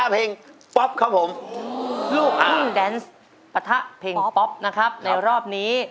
พร้อมแล้วครับ